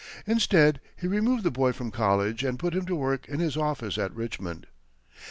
Instead, he removed the boy from college and put him to work in his office at Richmond.